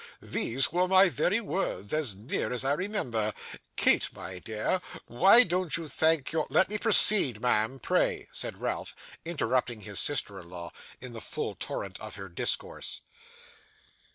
These were my very words, as near as I remember. Kate, my dear, why don't you thank your ' 'Let me proceed, ma'am, pray,' said Ralph, interrupting his sister in law in the full torrent of her discourse.